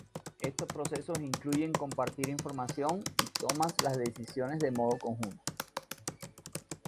Estos procesos incluyen compartir información y tomas las decisiones de modo conjunto.